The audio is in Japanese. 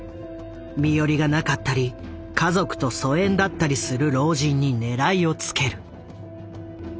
身寄りがなかったり家族と疎遠だったりする老人に狙いをつける。